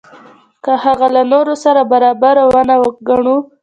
که هغه له نورو سره برابر ونه ګڼو.